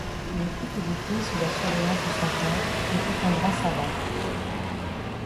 Il fut éduqué sous la surveillance de son père qui était un grand savant.